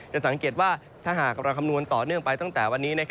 จะสังเกตว่าถ้าหากเราคำนวณต่อเนื่องไปตั้งแต่วันนี้